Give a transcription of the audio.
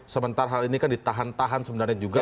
sementara hal ini ditahan tahan juga